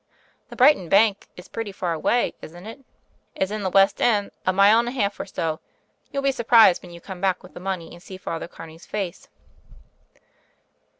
"The Brighton Bank is pretty far away, isn't it ?" "It's in the West End — a mile and a half or so. You'll be surprised when you come back with the money and see Father Carney's face."